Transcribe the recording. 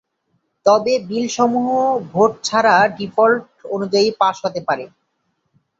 তবে বিল সমূহ ভোট ছাড়া ডিফল্ট অনুযায়ী পাস হতে পারে।